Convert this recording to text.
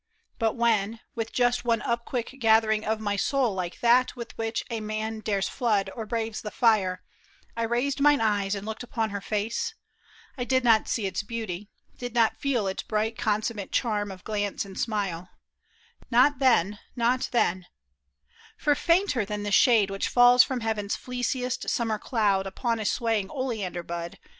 But when, with just One quick upgathering of my soul like that With which a man dares flood or braves the fire, I raised mine eyes and looked upon her face, I did not see its beauty, did not feel Its bright consummate charm of glance and smile, Not then, not then ; for, fainter than the shade Which falls from heaven's fleeciest summer cloud Upon a swaying oleander bud.